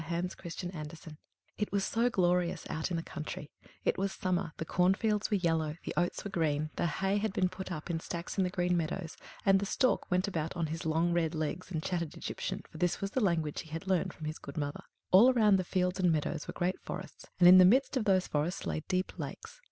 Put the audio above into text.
CHAPTER XXII THE UGLY DUCKLING It was so glorious out in the country; it was summer; the cornfields were yellow, the oats were green, the hay had been put up in stacks in the green meadows, and the stork went about on his long red legs, and chattered Egyptian, for this was the language he had learned from his good mother. All around the fields and meadows were great forests, and in the midst of these forests lay deep lakes.